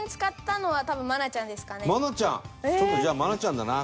ちょっとじゃあ愛菜ちゃんだな